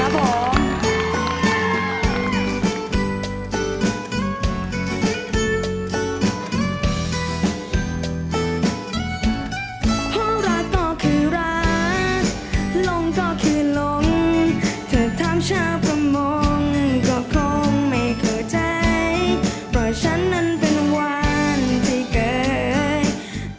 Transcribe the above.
เพราะฉันนั้นเป็นวันที่เกิด